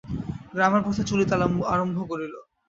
গ্রামের পথে চলিতে আরম্ভ করিল।